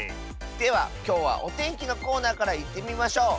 ではきょうはおてんきのコーナーからいってみましょう。